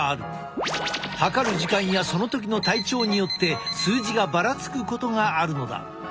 測る時間やその時の体調によって数字がばらつくことがあるのだ。